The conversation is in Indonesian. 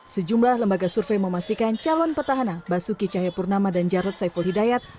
sejumlah lembaga survei memastikan calon petahana basuki cahayapurnama dan jarod saiful hidayat